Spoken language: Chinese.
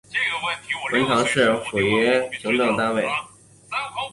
文昌市属海南省省直辖县级行政单位。